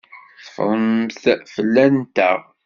Teffremt fell-anteɣ.